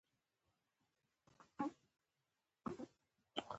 چې له نورو تاریخي کتابونو سره سر نه خوري.